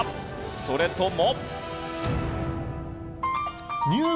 それとも。